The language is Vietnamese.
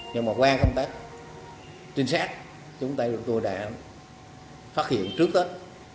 nhưng mà qua công tác trinh sát chúng tôi đã phát hiện trước hết